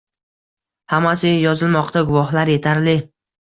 Hammasi yozilmoqda. Guvohlar yetarli.